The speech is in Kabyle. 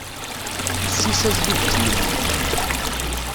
Ssis-as-d i yettmenni.